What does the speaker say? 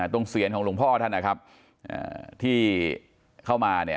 เสียนของหลวงพ่อท่านนะครับที่เข้ามาเนี่ย